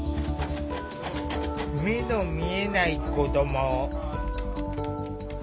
目の見えない子ども。